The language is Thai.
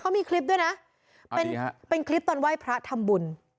เขามีคลิปด้วยนะเป็นคลิปตอนไหว้พระทำบุญ